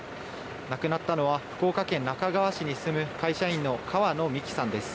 亡くなったのは福岡県那珂川市に住む会社員の川野美樹さんです。